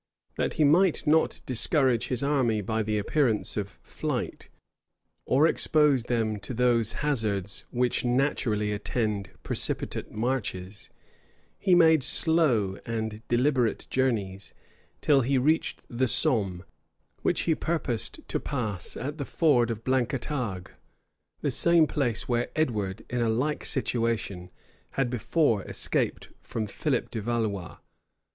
[*] That he might not discourage his army by the appearance of flight, or expose them to those hazards which naturally attend precipitate marches, he made slow and deliberate journeys,[*] till he reached the Somme, which he purposed to pass at the ford of Blanquetague, the same place where Edward, in a like situation, had before escaped from Philip de Valois.